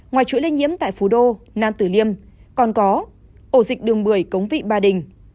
ngoài chuỗi lên nhiễm tại phú đô nam tử liêm còn có ổ dịch đường một mươi cống vị ba đình